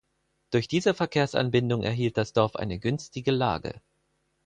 Durch diese Verkehrsanbindung erhielt das Dorf eine günstige Lage.